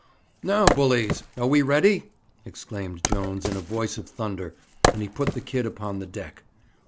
'Now, bullies, are we ready?' exclaimed Jones, in a voice of thunder; and he put the kid upon the deck.